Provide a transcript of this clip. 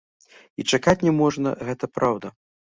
І чакаць не можна, гэта праўда!